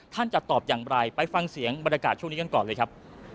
จะตอบอย่างไรไปฟังเสียงบรรยากาศช่วงนี้กันก่อนเลยครับ